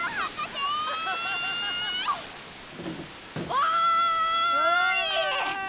おい！